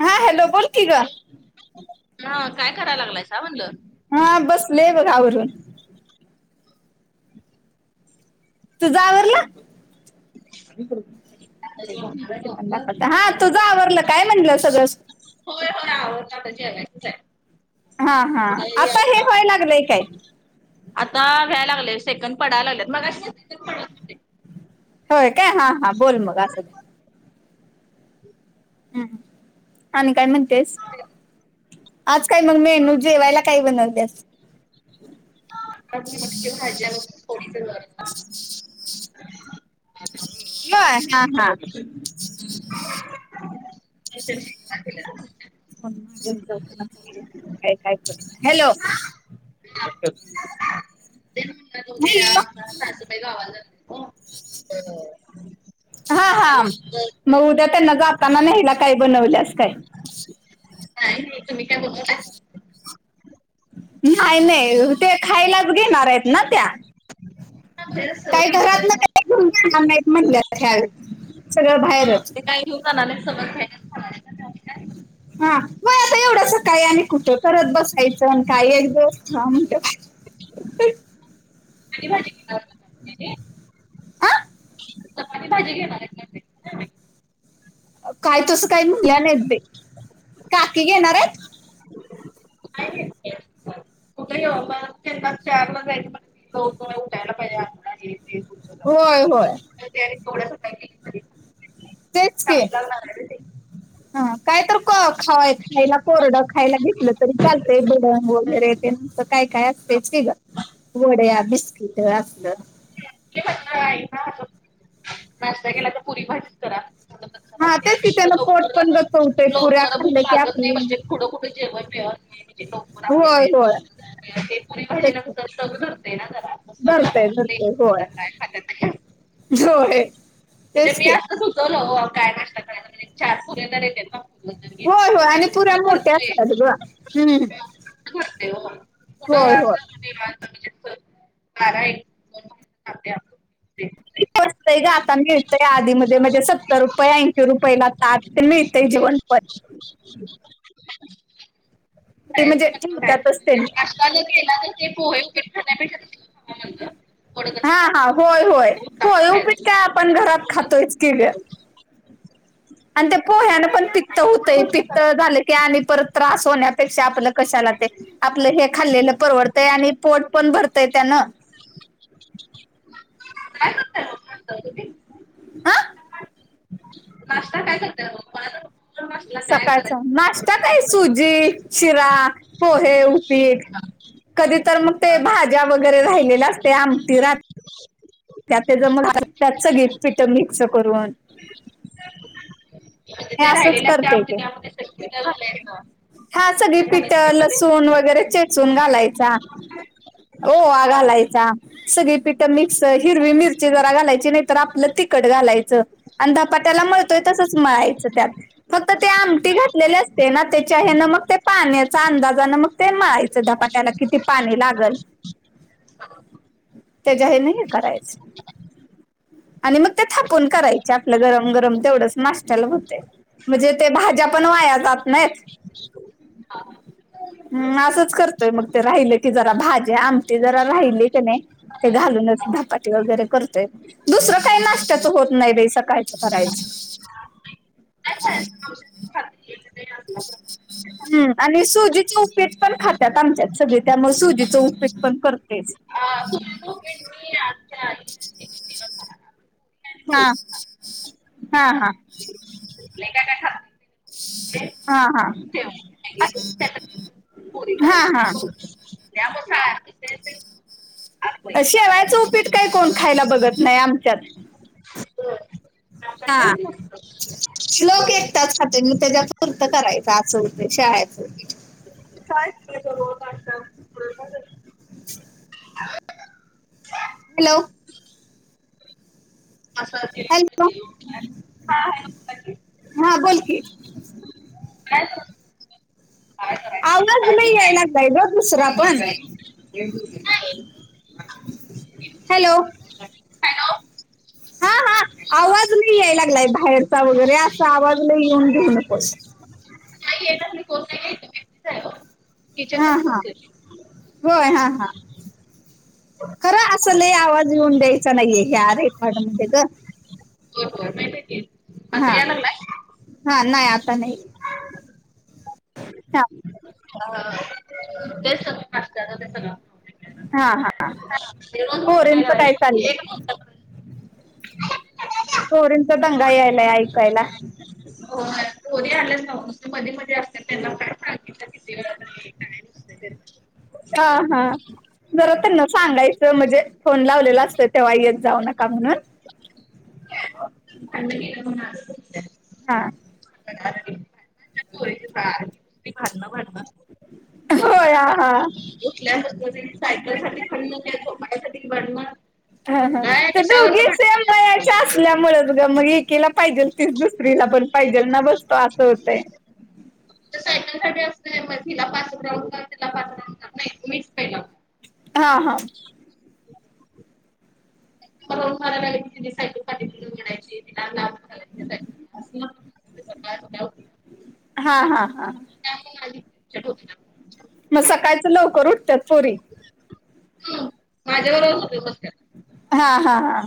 हा हॅलो बोल की ग? हा काय करायला लागलाय सा म्हणलं? हा बसले बघ आवरून. तूझ आवरला? आता जेवणार आहे लवकर हा तुझ आवरडलं काय म्हंटलं सगळं? हो हो आवरल आता जेवायचंच हाय. हा हा आता हे व्हाय लागलंय काय. आता व्यायला लागलेय सेकंड पडायला लागलेत मगशी होय काय हां हां बोल मग असुदे. हम आणि काय म्हणतेस? आज काय मग मेनू जेवायला कय बनवतेस? आी म्हटली भाज्या थोडीच घर बय हा हा. [unintelligible] का काय हॅलो. द्या हॅलो सासूबाई गावात जात हा हा मग उद्या तर नगं आपताना नाहीला काही बनवल्यास का? नाही हे तुम्ही काय बनवले? नाही नाही ते खायलाच घेणार आहेत ना त्या. बाहेरच सगळं काही खाणार घरातल आहे मग. काय घेऊ जाणार नाही म्हणल्यात. सगळं बाहेरच. काय घऊन जाणार नाही सगळं बाहेरच खाणार आहेत. हा म आता एवढसा काही आणि कुठं करत बसायचं आणि काय एक दिवस खावा म्हणत्यात. ज [unintelligible] हा चपाती भाजी घेणार काय तसं काही म्हणल्या नाहीेत बाई, काकी घेणार हायत. अ एक [unintelligible] कुठे येऊ मग त्यांना चरला जा मोन उठायला पाहिजे आ होय होय. थोड. तेच की [unintelligible] हा काय तर खा खायला कोरडं खायला घेतलं तरी चालतं बडंग वगैरे तेण. काय काय असतेच की ग वड्या, बिस्किट असलं. ते म्हटलं आई ना नाश्ता केला तर पुरी भाजीच करा. हा तेच की त्यानं पोट लवकर पण गचवतंय पुऱ्या लवकर भूक खाल्लं की लागत नाही आपलं म्हणजे. कुठं कुठे जेवण मीळत नाही, म्हणजे लवकर आला होय होय नाही ते पुरी भाजी तेच ना की. कस तग धरते ना जरा धरतय म्हटते. काय ह जय म्हणजे मी असता सुचवलं काय नाश्ता करायला म्ह चार पुऱ्या तर येतेत ना. घेतली होय होय तर. आणि पुऱ्या मोठ्या असत्यात ग हम्म हू वाटतंय ओ पुढ हे अस होय [unintelligible] म्हणजे अस [unintelligible] ते कय ग आता मिळतय आधीमधे मधे सत्तर रुपय ऐंशी रुपयला ताट मिळतय जिवणपण ते म्हणजे ठिवतातच तेनी नास्ता जर केला तर ते पोहे उपीट खाण्यापेक्षा तसल हा हा होय होय, उत्तप्पा पोहे उपीट खायचं काय आपण घरात खातोयच की ग आणि ते पोह्यानं पण पित्त हुतय, पित्त झालं की आणि परत त्रास होण्यापेक्षा आपलं कशाला ते आपलं हे खाल्लेलं परवडतंय आणि पोट पण भरतंय त्यानं काय करताय मग नाश्ता तुम्ही? आ. नाश्ता काय करताय मग [unintelligible] काय सकाळचा करायचं नाश्ता काय सुजी, शिरा, पोहे, उपीट कधी तर मग ते भाज्या वगैरे राहिलेल असतय आमटी राह त्यात तेज मग [unintelligible] पिट मिक्स करून म्हणजे हे ते असंच राहिलेल असत्या करते आमटी की त्यामधेच सगळी पीट घा हा सगळी पीट लसूण वगैरे चेचून घालायचा. ओवा घालायचा सगळी पीट मिक्स त हिरवी मिरची जरा घालायची नाही तर आपलं तिखट घालायचं. आणि धपाट्याला मळतोय तसंच मळायचं त्यात फक्त ते आमटी घातलेली असते ना त्याच्या हेन मग ते पाण्याचा अंदाजान मग ते मळायचं धपाट्याला किती पाणी लागल [inaudible] तेज्या हेन हे करायचं. आणि मग ते थापून करायच आपलं गरम गरम तेवढंच नाश्त्याला हुतंय. म्हजे ते भाज्या पण वाया जात नाईत. [unintelligible] हम्म असंच करतोय मग ते राहिल की जरा भाज्या, आमटी जरा राहिली कणी ते घालूनच धपाटी वगैरे करतोय, दुसरं काय नाश्त्याच होत नाही बाई सकाळचं करायचं. काय [unintelligible] [unintelligible] [inaudible] हम्म आणि सुजीची उपीट पण खात्यात आमच्यात सगळी त्यामुळ सुजीच उपीट पण करतोयच. [unintelligible] [unintelligible] आजच्या आज [inaudible] हा, हा हा. लई काय काय [unintelligible] हा हा, हा हा त्यामुळं [unintelligible] अ शेवळ्याच उपीट काय कोण खायला बघत नाही आमच्यात कस हा [unintelligible] मस्त श्लोक एकटाच खातोय म त्यज्या पूरत करायचं असं हुतंय शळ्याच उपीट काय करायचा रोज नाष्टा? प्रेरणा [unintelligible] हॅलो. असा ते [unintelligible] हा बोलकी काय [unintelligible] आवाज लई याय लागलाय ग दुसरा पण [unintelligible] हॅलो हा हा आवाज नाही याय ला लागलाय बाहेरचा वगैरे असा आवाज ल येऊन घेनं पण.. नाही येतात मी कोसायलाेत. हा हा होय हा हा खर असल आवाज येऊन द्यायचा नाहीये ह्या रेकॉर्डमध्येध्ये ग होर माहिती क [inaudible] हा हा नाही आता नाही. हा ह ते चला हा हा ज पोरींचं काय [inaudible] चाललंय पोरींचा दंगा यायलाय ऐकायला. हो पोरी आल्यास ना मध्ये मध्ये असत त्यांना काय सांगितलं किती वेळा काय नसत. हा हा जरा त्यांना सांगायचं म्हणजे फोन लावलेला असत तेव्हा येत जाऊ नका म्हणून अ आ हा ह भारणं भडणं होय आ हा सायलो सा प [inaudible] साठी ब [inaudible] हा हा दोघी सेम वयाच्या सांगता येत असल्यामुळेच ग मग एकेला पाहिजेल तीच दुसरीला पण पाहिजे ना बसतो असं होतय. तर सायकल साठी असतय मग तिला पाच राऊंड का तिला पाच राऊंड का. मिस प [inaudible] हा हा मारणार. राऊंड मारायला लागली की तिने सायकल पाठीमागून ओढायची तिला लांब ह [inaudible] हा हा हा मा चलो मग सकाळचं लवकर उठतात पोरी. मस् [inaudible] हा हा हा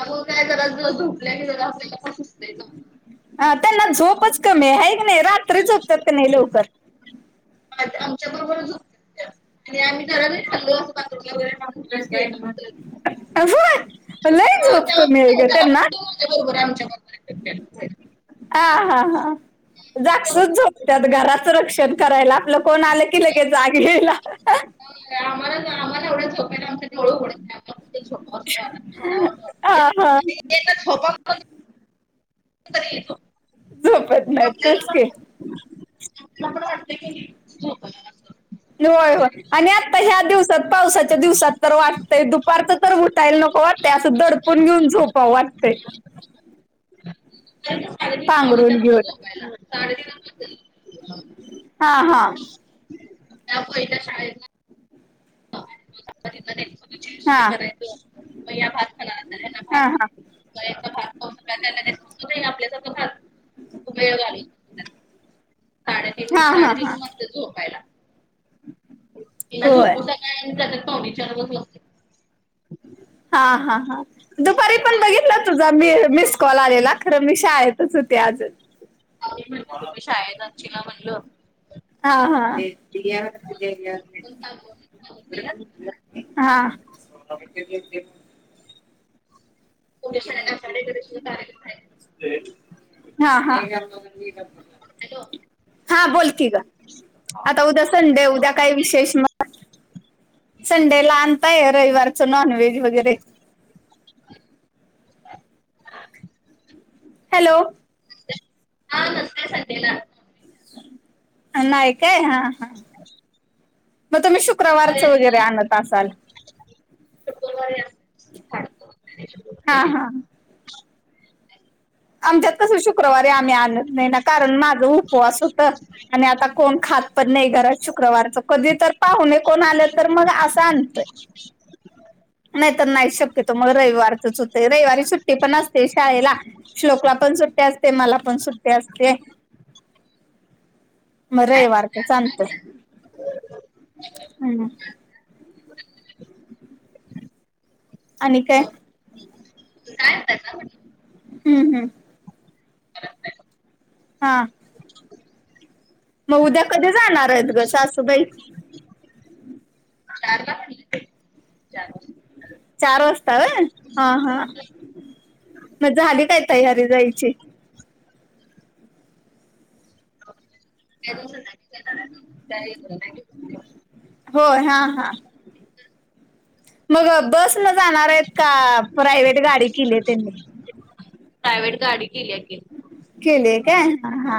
अ काय कर [inaudible] झोपल्या ज अस ह त्यांना झोपच कमी आहे का नाही रात्री झोपतात क नाही लवकर आमच्या बरोबर झोपत्यात आणि आम्ही घराने ठचालो असं बगलंगर केलं [inaudible] लयच झोप कमी आहे का त्यांना त्या बरोबर आमच्या हा हा हा जागसूद झोपतात घराचं रक्षण करायला आपलं कोण आलं कि ले जागे आम्हाला आम्हाला एवढं ोप्याय आमच् डोळे उगडत नाही आला झोपं असतो. हा हा [unintelligible] झोपेत. वाटते की हो होय हो आणि आता ह्या दिवस तर पावसाच्या दिवसात तर वाटतंय दुपारचं तर घुटायला नको वाटतय असं दडपून घेऊन झोपा वाटतंय साडे तीन पांघरून घेऊन पा साडेन हा हा त्या प इ त्या शाळेतला करायचं हा म या भात खा ना हा भात द्यायच पा नाही आपल्याचा कधच वेळगले हा साडेतीन हा हा साडेतीन हा वाजते झोपायला तिला होय झोपू का जात पा विचारचत हा हा हा दुपारी पण बघितलं तुझा मी मिस कॉल आलेला खर मी शाय तच होते आज म्हण तुम्ही शाळदचीला म्हणलं ह पण सांगितलेलं ह. हा. केशकडे सुारख आहे. हा हा. हॅलो हा बोलकी ग आता उद्या संडे उद्या काही विशेष म. संडेला आणताय रविवारचं नॉनव्हेज वगैरे. [inaudible] हॅलो! हा नसतय सध्याला. नाहीय काय हा. हा अ. मग तुम्ही शुक्रवारचं वगैरे आणत असा हा [inaudible] हा आमच्यात तसं शुक्रवारी आम्ही आणत नाही ना कारण माझं उपवास होत. आणि आता कोण खातपत नाही घरात शुक्रवारच कधी तर पाहुून कोण आलं तर मग असं आणतोय [unintelligible] नाही तर नाही शक्यतो मग रविवारचचत रविवारी सुट्टी पण असते शाळेला श्लोकला पण सुट्ट्या असते मला पण सुट्ट्या असते मग रविवार का चालतय हम् आणि काय म्हणतात ना म्हटलं हम्म हम्म. हा. मग उद्या कधी जाणार आहेत ग स असूबाई. चारला. चार चार वाजता व हा हा मग झाली काय तयारी जायची. त्या. [inaudible] होय हा हा. मग बस न जाणार आहेत का प्रायव्ट गाडी केली त्यांन प्रायव्हेट गाडी केली ग. केलेय काय हा.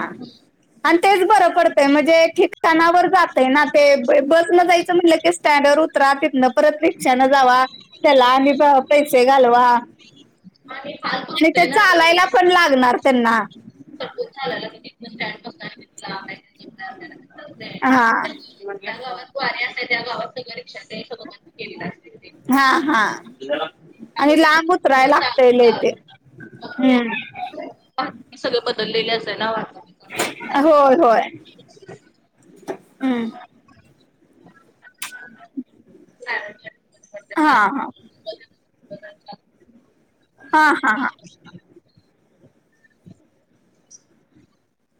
आणि तेच बरं पडतंय म्हणजे ठिकठाणावर जातय ना ते बस न जायचं म्हणलं की स्टँडर. ाततन परत रिक्षाने जावा त्याला आणि पैसे घालवा. आणि फल. आणि ते चालायला पण लागणार त्यांना. [inaudible] ह. हा. त्या गावात वारी असते त्या गावात सं ब केले अस. हा हा आणि लांब उतराय लागतय लई ते हूं. सगळं बदललेल्या च आहे ना ओ आता. होय होय हूं! हा हा! हा हा हा!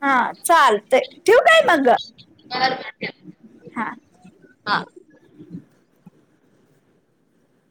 हा चाल तय ठीवू काय मग हा. हा